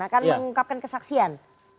akan mengungkapkan kesaksian